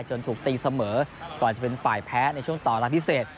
ถูกตีเสมอก่อนจะเป็นฝ่ายแพ้ในช่วงต่อเวลาพิเศษ